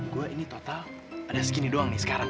gue ini total ada segini doang nih sekarang